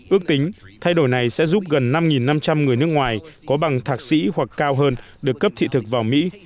ước tính thay đổi này sẽ giúp gần năm năm trăm linh người nước ngoài có bằng thạc sĩ hoặc cao hơn được cấp thị thực vào mỹ